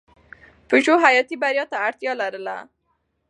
پژو حیاتي بریا ته اړتیا لرله.